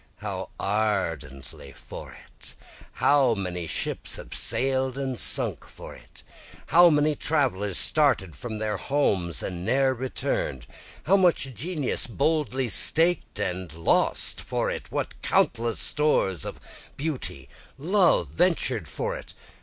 How ardently for it! How many ships have sail'd and sunk for it! How many travelers started from their homes and neer return'd! How much of genius boldly staked and lost for it! What countless stores of beauty, love, ventur'd for it!